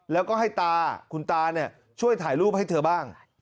แล้วก็ให้ตาคุณตาช่วยถ่ายรูปให้เธอบ้าง